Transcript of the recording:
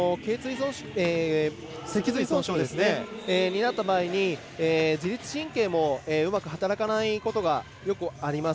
脊髄損傷になった場合自律神経もうまく働かないことがよくあります。